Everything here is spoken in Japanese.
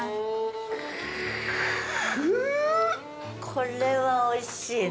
これはおいしいね。